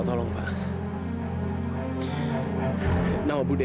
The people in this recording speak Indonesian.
kau juga bugak